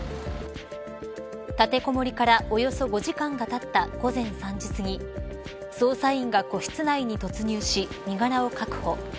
立てこもりからおよそ５時間がたった午前３時すぎ捜査員が個室内に突入し身柄を確保。